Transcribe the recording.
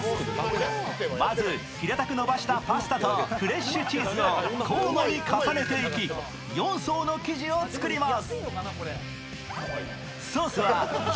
まず平たく伸ばしたパスタとフレッシュチーズを交互に重ねていき４層の生地を作ります。